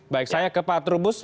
baik saya ke pak trubus